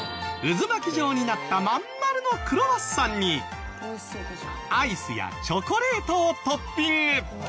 渦巻き状になった真ん丸のクロワッサンにアイスやチョコレートをトッピング。